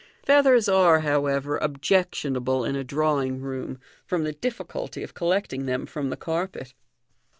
Feathers are, however, objectionable in a drawing room, from the difficulty of collecting them from the carpet.